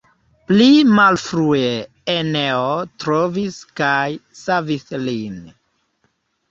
Pli malfrue Eneo trovis kaj savis lin.